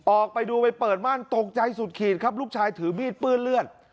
ออกไปดูไปเปิดม่านตกใจสุดขีดครับลูกชายถือมีดเปื้อนเลือด